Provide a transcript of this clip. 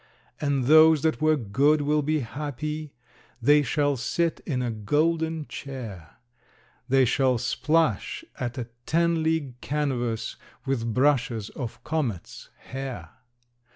And those that were good will be happy: they shall sit in a golden chair; They shall splash at a ten league canvas with brushes of comets' hair.